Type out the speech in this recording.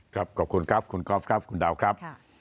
ขอบคุณครับคุณกอล์ฟครับคุณดาวครับ